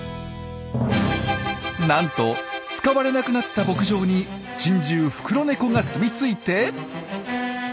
なんと使われなくなった牧場に珍獣フクロネコが住み着いて。